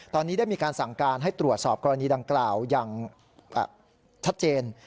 ตอนนี้ได้มีการสั่งการให้ตรวจสอบกรณีดังกล่าวอย่างชัดเจน